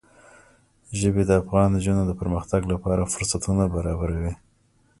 ژبې د افغان نجونو د پرمختګ لپاره فرصتونه برابروي.